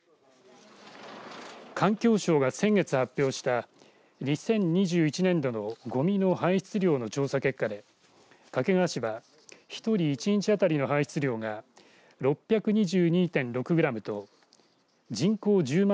環境省が先月発表した２０２１年度のごみの排出量の調査結果で掛川市は一人１日当たりの排出量が６２２．６グラムと人口１０万